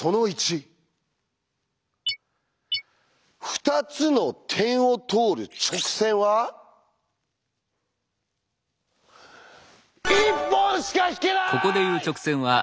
「２つの点を通る直線は１本しか引けない」！